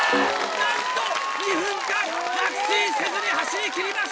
なんと２分間落水せずに走り切りました！